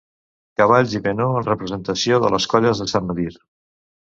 Cavalls i penó en representació de les colles de Sant Medir.